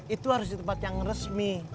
itu harus di tempat yang resmi